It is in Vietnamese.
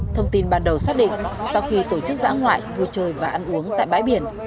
thông tin ban đầu xác định sau khi tổ chức giã ngoại vui chơi và ăn uống tại bãi biển